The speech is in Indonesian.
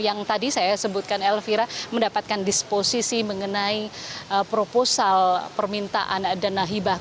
yang tadi saya sebutkan elvira mendapatkan disposisi mengenai proposal permintaan dana hibah